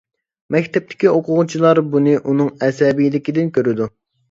مەكتەپتىكى ئوقۇتقۇچىلار بۇنى ئۇنىڭ ئەسەبىيلىكىدىن كۆرىدۇ.